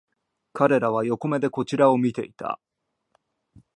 彼らは横目でこちらを見ていた